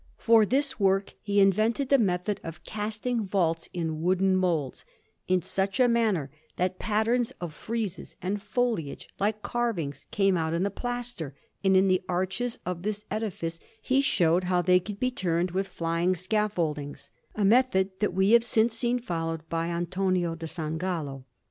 For this work he invented the method of casting vaults in wooden moulds, in such a manner that patterns of friezes and foliage, like carvings, come out in the plaster; and in the arches of this edifice he showed how they could be turned with flying scaffoldings, a method that we have since seen followed by Antonio da San Gallo.